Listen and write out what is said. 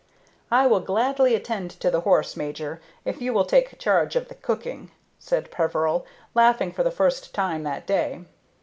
"I will gladly attend to the horse, major, if you will take charge of the cooking," said Peveril, laughing for the first time that day.